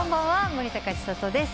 森高千里です。